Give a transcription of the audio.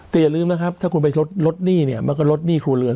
แต่อย่าลืมนะครับถ้าคุณไปลดหนี้เนี่ยมันก็ลดหนี้ครัวเรือน